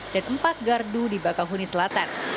dan empat gardu di bakauheni selatan